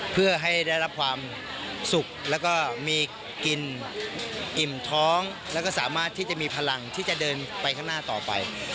เพื่อให้ได้รับความสุขแล้วก็มีกินอิ่มท้องแล้วก็สามารถที่จะมีพลังที่จะเดินไปข้างหน้าต่อไป